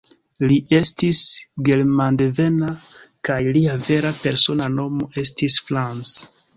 Li estis germandevena, kaj lia vera persona nomo estis "Franz".